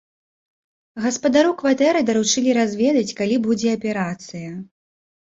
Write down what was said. Гаспадару кватэры даручылі разведаць, калі будзе аперацыя.